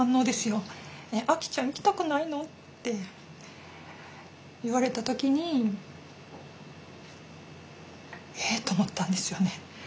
「えっ亜希ちゃん行きたくないの？」って言われた時にえっと思ったんですよね。